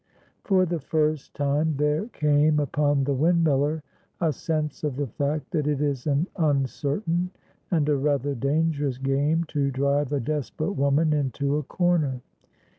For the first time there came upon the windmiller a sense of the fact that it is an uncertain and a rather dangerous game to drive a desperate woman into a corner.